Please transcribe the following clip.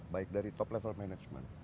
baik dari top level management